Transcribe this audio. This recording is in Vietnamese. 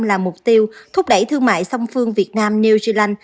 là mục tiêu thúc đẩy thương mại song phương việt nam new zealand